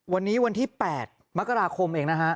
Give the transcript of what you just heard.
วันนี้วันที่๘มกราคมเองนะฮะ